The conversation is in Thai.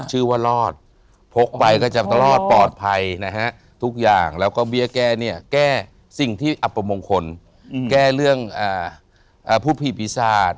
ชื่อว่ารอดพกไปก็จะรอดปลอดภัยนะฮะทุกอย่างแล้วก็เบี้ยแก้เนี่ยแก้สิ่งที่อัปมงคลแก้เรื่องผู้ผีปีศาจ